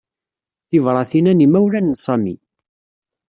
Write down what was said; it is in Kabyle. Tibratin-a n yimawlan n Sami.